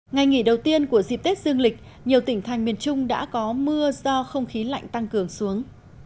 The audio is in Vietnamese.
ngày nghỉ đầu tiên của dịp tết dương lịch nhiều tỉnh thành miền trung đã có mưa do không khí lạnh tăng cường xuống